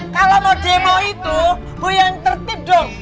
kalau mau demo itu bu yang tertib dong